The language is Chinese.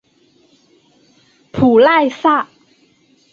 普赖萨。